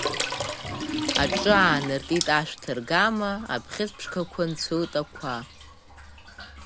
Аҿы аанартит ашәҭаргама, абӷьыц ԥшқақәа нцәылт ақәа.